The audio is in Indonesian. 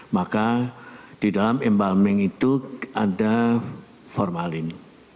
maka di dalam embalming itu ada formalin